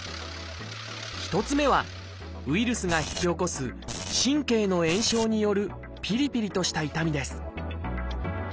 １つ目はウイルスが引き起こす神経の炎症によるピリピリとした痛みです